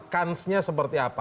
kansnya seperti apa